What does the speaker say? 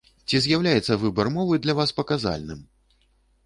Ці з'яўляецца выбар мовы для вас паказальным?